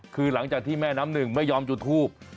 คือหลังจากที่แม่น้ำหนึ่งไม่ยอมจุดทูบ